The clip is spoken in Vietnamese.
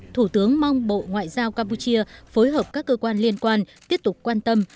thủ tướng mong bộ ngoại giao campuchia phối hợp các cơ quan liên quan tiếp tục quan tâm